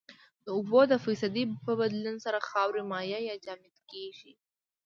د اوبو د فیصدي په بدلون سره خاوره مایع یا جامد کیږي